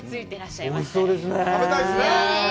おいしそうですね。